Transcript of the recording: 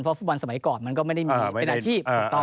เพราะฟุตบอลสมัยก่อนมันก็ไม่ได้มีเป็นอาชีพ